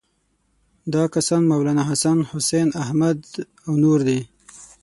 دا کسان مولناحسن، حسین احمد او نور دي.